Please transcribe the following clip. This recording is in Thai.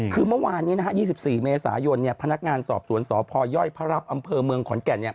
คือเมื่อวานนี้๒๔เมษายนพนักงานสอบสวนสพยพระรับอำเภอเมืองขอนแก่น